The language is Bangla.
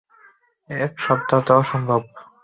এক সপ্তাহ তো অসম্ভব।